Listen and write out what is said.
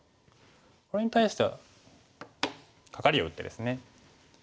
これに対してはカカリを打ってですね。